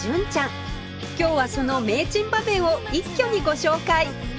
今日はその名珍場面を一挙にご紹介！